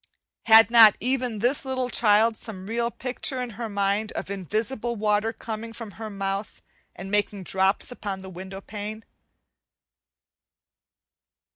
Had not even this little child some real picture in her mind of invisible water coming from her mouth, and making drops upon the window pane?